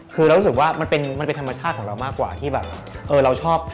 คือเรารู้สึกว่ามันเป็นธรรมชาติของเรามากกว่าที่แบบเออเราชอบ